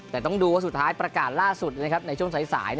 แต่ต้องดูว่าสุดท้ายประกาศล่าสุดในช่วงสาย